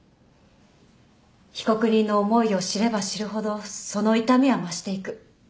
被告人の思いを知れば知るほどその痛みは増していく。